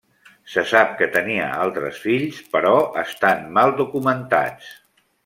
Se sap que tenia altres fills, però estan mal documentats.